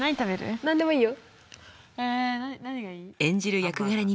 どこでもいいよ。